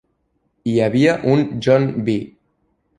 Hi havia un John B.